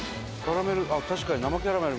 確かに生キャラメル。